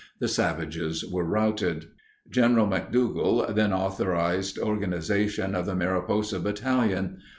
The savages were routed. Governor McDougal then authorized organization of the Mariposa Battalion.